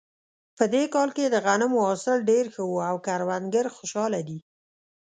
په دې کال کې د غنمو حاصل ډېر ښه و او کروندګر خوشحاله دي